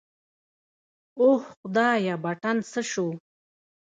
اوه خدايه بټن څه سو.